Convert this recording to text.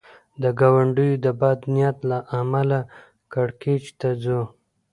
د ګاونډیو د بد نیت له امله کړکېچ ته ځو.